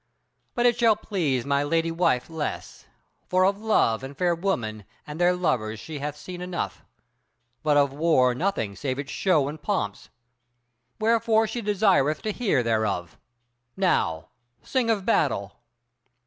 But it shall please my lady wife less: for of love, and fair women, and their lovers she hath seen enough; but of war nothing save its shows and pomps; wherefore she desireth to hear thereof. Now sing of battle!"